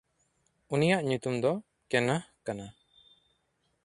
ᱩᱱᱤᱭᱟᱜ ᱧᱩᱛᱩᱢ ᱫᱚ ᱠᱮᱱᱟᱦ ᱠᱟᱱᱟ᱾